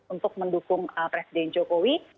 untuk mendukung presiden jokowi